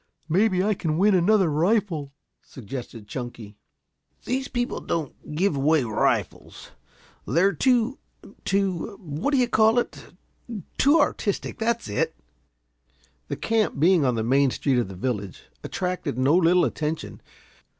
"Maybe I can win another rifle," suggested Chunky. "These people don't give away rifles. They're too too what do you call it? too artistic. That's it." The camp being on the main street of the village, attracted no little attention.